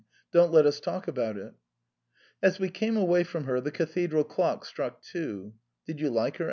Don't let us talk about it. When we left her the Cathedral clock struck two. " Did you like her?